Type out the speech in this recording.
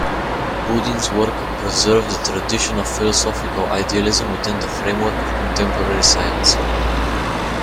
Boodin's work preserved the tradition of philosophical idealism within the framework of contemporary science.